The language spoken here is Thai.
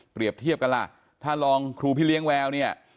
เปรียบเทียบกันล่ะถ้าลองครูพิเลี้ยงแววเนี้ย